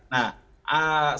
nah sudah diberikan